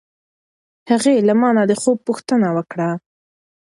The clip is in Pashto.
هغې له ما نه د خوب پوښتنه وکړه.